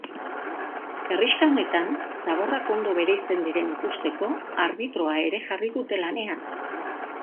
Herrixka honetan, zaborrak ondo bereizten diren ikusteko arbitroa ere jarri dute lanean.